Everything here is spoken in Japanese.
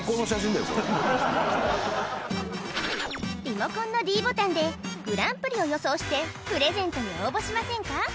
リモコンのｄボタンでグランプリを予想してプレゼントに応募しませんか？